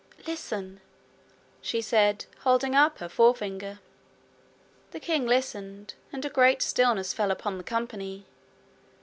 'Listen,' she said, holding up her forefinger. The king listened, and a great stillness fell upon the company.